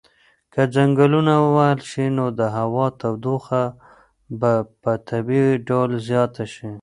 که ځنګلونه ووهل شي نو د هوا تودوخه به په طبیعي ډول زیاته شي.